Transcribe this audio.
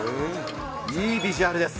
いいビジュアルです。